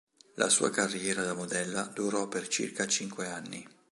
La sua carriera da modella durò per circa cinque anni.